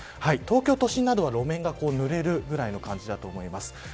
東京都心などは、路面がぬれるぐらいの感じだと思います。